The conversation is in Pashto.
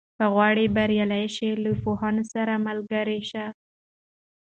که غواړې بریالی شې، له پوهانو سره ملګری شه.